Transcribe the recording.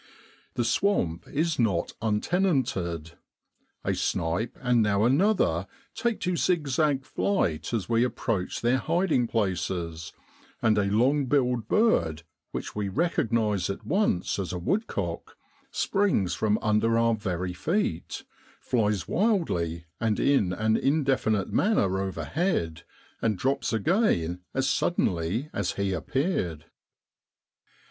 The swamp is not untenanted. A snipe, and now another, take to zig zag flight as we approach their hiding places, and a long billed bird, which we recognise at once as a woodcock, springs from under our very feet, flies wildly and in an indefinite manner overhead, and drops again as suddenly as he appeared.